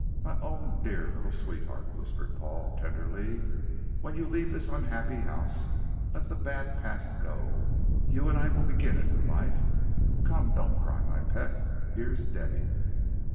My own dear little sweetheart," whispered Paul, tenderly, "when you leave this unhappy house, let the bad past go. You and I will begin a new life. Come, don't cry, my pet. Here's Debby."